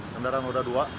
kendaraan moda dua